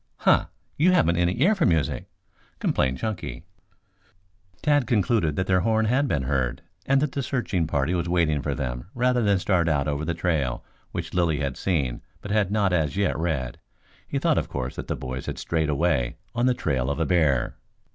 "Huh! You haven't any ear for music," complained Chunky. Tad concluded that their horn had been heard, and that the searching party was waiting for them rather than start out over the trail which Lilly had seen but had not as yet read. He thought of course that the boys had strayed away on the trail of a bear.